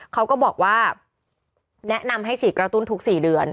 เขาก็บอกว่าแนะนำให้ฉีดกระตุ้นทุก๔เดือน